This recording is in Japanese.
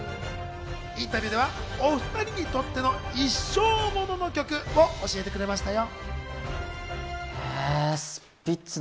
インタビューでは、お二人にとっての一生モノの曲を教えてくれましたよ。